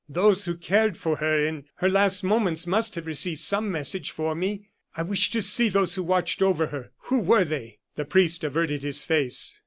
Those who cared for her in her last moments must have received some message for me. I wish to see those who watched over her. Who were they?" The priest averted his face.